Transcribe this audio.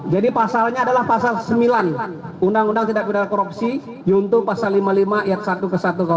jadi pasalnya adalah pasal sembilan undang undang tidak berdekat korupsi yuntung pasal lima lima yat satu ke satu kwp